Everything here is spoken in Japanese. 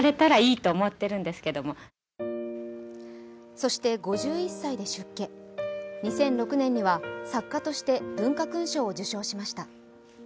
そして５１歳で出家、２００６年には作家として文化勲章を受章しました。